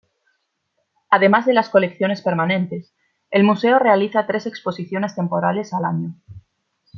Además de las colecciones permanentes, el museo realiza tres exposiciones temporales al año.